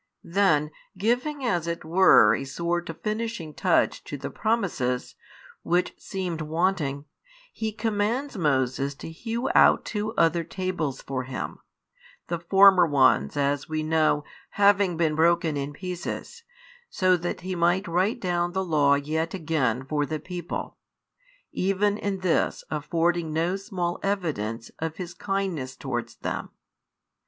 Then, giving as it were a sort of finishing touch to the promises, which seemed wanting, He commands Moses to hew out two other tables for Him, the former ones as we know having been broken in pieces, so that He might write down the Law yet again for the people; even in this affording no small evidence of His kindness towards them.